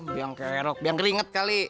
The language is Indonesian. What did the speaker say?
biang kerok biang keringet kali